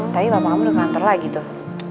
tapi papa kamu udah ke kantor lagi tuh